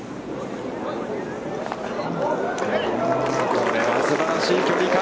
これはすばらしい距離感。